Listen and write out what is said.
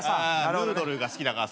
ヌードルーが好きだからさ。